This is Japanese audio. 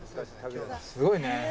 すごいね。